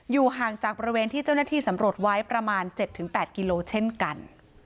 ห่างจากบริเวณที่เจ้าหน้าที่สำรวจไว้ประมาณ๗๘กิโลเช่นกัน